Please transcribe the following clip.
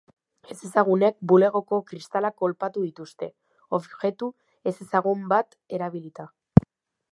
Ezezagunek bulegoko kristalak kolpatu dituzte, objektu ezezagun bat erabilita.